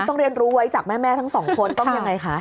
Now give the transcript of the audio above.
ต้องเรียนรู้ไว้จากแม่ทั้งสองคนต้องยังไงคะ